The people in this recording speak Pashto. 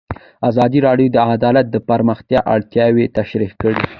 ازادي راډیو د عدالت د پراختیا اړتیاوې تشریح کړي.